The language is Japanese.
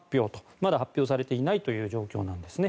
まだ発表されていないという状況なんですね。